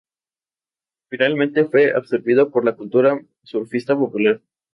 Finalmente, fue absorbido por la cultura surfista popular.